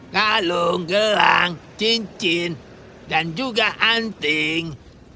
kalung gelang cincin dan juga anting